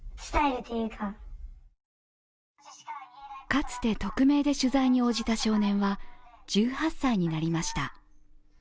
かつて匿名で取材に応じた少年は、１８歳になりました。